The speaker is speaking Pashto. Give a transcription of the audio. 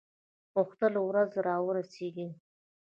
غوښتل ورځ را ورسیږي.